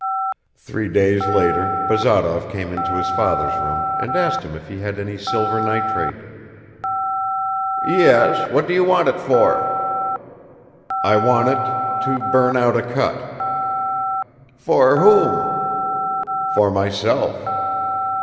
Three days later Bazarov came into his father's room and asked him if he had any silver nitrate. "Yes; what do you want it for?" "I want it ... to burn out a cut." "For whom?" "For myself."